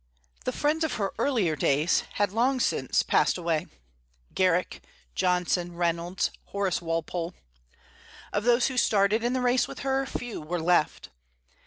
The friends of her earlier days had long since passed away, Garrick, Johnson, Reynolds, Horace Walpole. Of those who started in the race with her few were left.